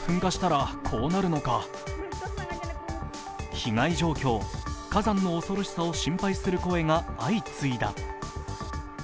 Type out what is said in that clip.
被害状況、火山の恐ろしさを心配する声が相次いだ。